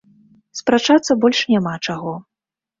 Спрачацца больш няма чаго.